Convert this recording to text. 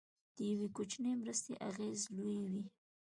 د یو کوچنۍ مرستې اغېز لوی وي.